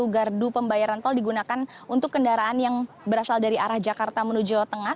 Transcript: satu gardu pembayaran tol digunakan untuk kendaraan yang berasal dari arah jakarta menuju jawa tengah